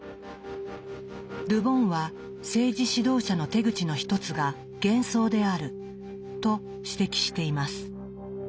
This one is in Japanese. ル・ボンは政治指導者の手口の一つが「幻想」であると指摘しています。